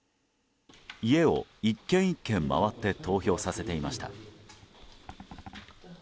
家を１軒１軒回って投票させていました。